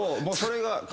もうそれが。